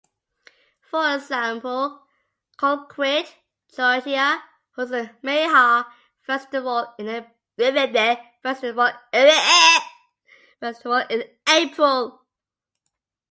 For example, Colquitt, Georgia, holds a mayhaw festival in April.